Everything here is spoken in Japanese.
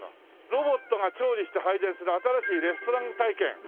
「ロボットが調理して配膳する新しいレストラン体験」